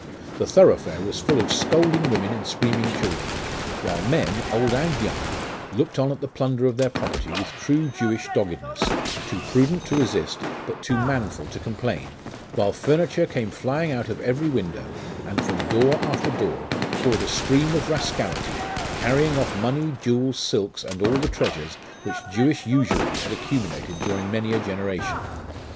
The thoroughfare was full of scolding women and screaming children; while men, old and young, looked on at the plunder of their property with true Jewish doggedness, too prudent to resist, but too manful to complain while furniture came flying out of every window, and from door after door poured a stream of rascality, carrying off money, jewels, silks, and all the treasures which Jewish usury had accumulated during many a generation.